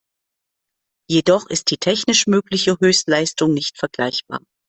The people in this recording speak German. Jedoch ist die technisch mögliche Höchstleistung nicht vergleichbar.